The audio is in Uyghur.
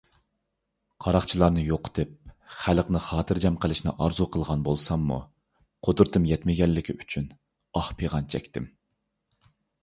قاراقچىلارنى يوقىتىپ، خەلقنى خاتىرجەم قىلىشنى ئارزۇ قىلغان بولساممۇ، قۇدرىتىم يەتمىگەنلىكى ئۈچۈن ئاھ - پىغان چەكتىم.